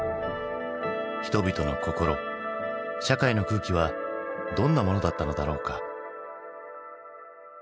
人々の心社会の空気はどんなものだったのだろうか？